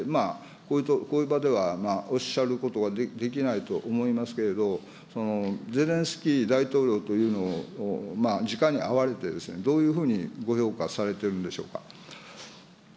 こういう場では、おっしゃることはできないと思いますけれど、ゼレンスキー大統領というのをじかに会われて、どういうふうにご評価されてるんでしょうか。